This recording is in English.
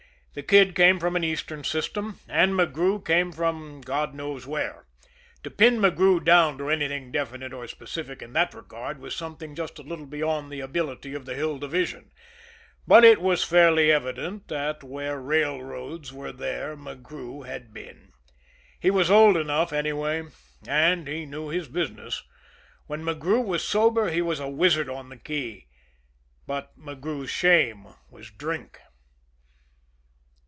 The Kid came from an Eastern system and McGrew came from God knows where. To pin McGrew down to anything definite or specific in that regard was something just a little beyond the ability of the Hill Division, but it was fairly evident that where railroads were there McGrew had been he was old enough, anyway and he knew his business. When McGrew was sober he was a wizard on the key but McGrew's shame was drink.